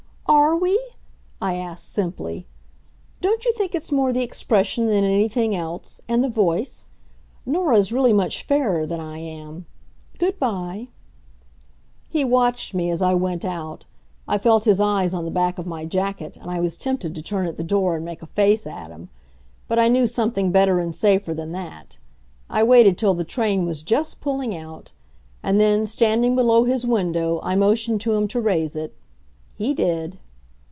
"Are we?" I asked simply. "Don't you think it's more the expression than anything else, and the voice? Nora's really much fairer than I am. Good by." He watched me as I went out. I felt his eyes on the back of my jacket, and I was tempted to turn at the door and make a face at him. But I knew something better and safer than that. I waited till the train was just pulling out, and then, standing below his window, I motioned to him to raise it. He did.